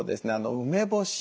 梅干し